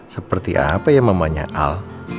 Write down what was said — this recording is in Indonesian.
seperti apa yang memuanya al